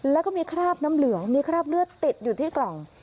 แล้วก็มีคราบน้ำเหลืองมีคราบเลือดติดอยู่ที่กล่อง